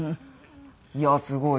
いやすごい。